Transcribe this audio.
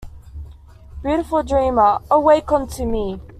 Beautiful dreamer, awake unto me!